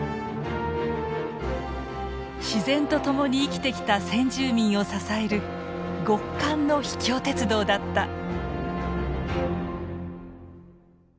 自然とともに生きてきた先住民を支える極寒の秘境鉄道だった。